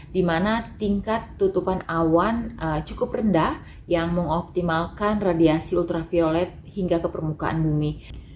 di mana tingkat tutupan awan cukup rendah yang mengoptimalkan radiasi ultraviolet hingga ke permukaan bumi